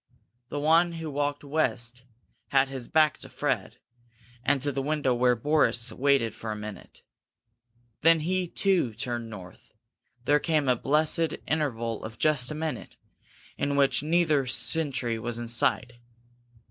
The one who walked west had his back to Fred and to the window where Boris waited for a minute. Then he, too, turned north. Then came a blessed interval of just a minute, in which neither sentry was in sight.